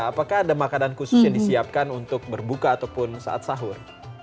apakah ada makanan khusus yang disiapkan untuk berbuka ataupun saat sahur